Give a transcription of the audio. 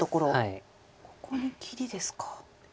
ここに切りですか。